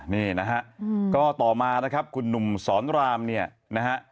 นี่นะฮะก็ต่อมานะครับคุณหนุ่มสอนรามเนี่ยนะฮะ